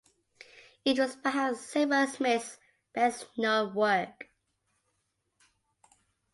It was perhaps Seymour-Smith's best known work.